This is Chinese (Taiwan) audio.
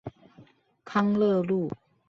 康樂路